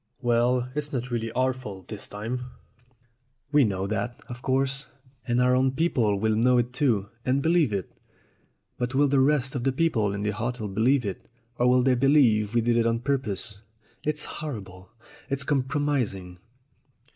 "Well, it's not really our fault this time." "We know that, of course, and our own people will know it too, and believe it. But will the rest of the people in the hotel believe it, or will they believe we did it on purpose? It's horrible! It's compromis ing!"